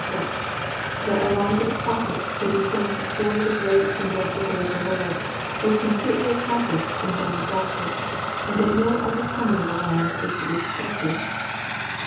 5, 6) that Elijah the prophet should be sent be fore the great and dreadful day of the Lord, was completely accom plished in John the Baptist, and that no other coming of Elias is to be expected.